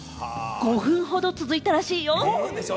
５分ほど続いたらしいよ。